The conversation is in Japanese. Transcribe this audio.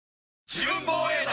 自分防衛団！